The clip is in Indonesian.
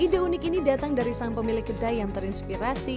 ide unik ini datang dari sang pemilik kedai yang terinspirasi